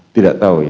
tidak tahu ya